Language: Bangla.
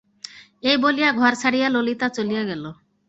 এই বলিয়া ঘর ছাড়িয়া ললিতা চলিয়া গেল।